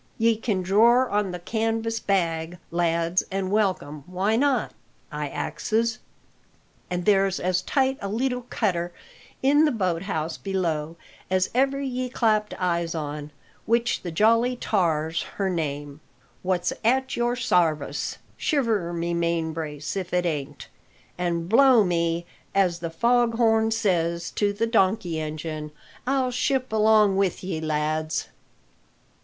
Ye can dror on the canvas bag, lads, an' welcome why not? I axes. An' there's as tight a leetle cutter in the boat house below as ever ye clapped eyes on which the Jolly Tar's her name what's at your sarvice, shiver my main brace if it ain't! An' blow me, as the fog horn says to the donkey engine, I'll ship along with ye, lads!"